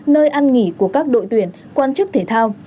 nơi ăn nghỉ của các đội tuyển quan chức thể thao